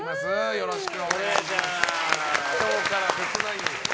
よろしくお願いします。